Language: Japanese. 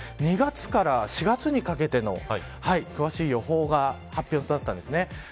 ２月から４月にかけての詳しい予報が発表となったんですね。